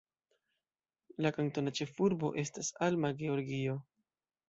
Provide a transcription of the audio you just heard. La kantona ĉefurbo estas Alma, Georgio.